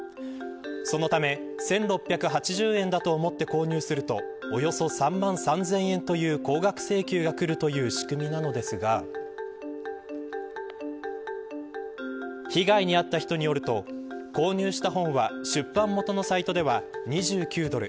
そのため１６８０円だと思って購入するとおよそ３万３０００円という高額請求がくるという仕組みなのですが被害に遭った人によると購入した本は出版元のサイトでは２９ドル